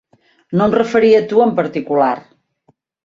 No em referia a tu en particular.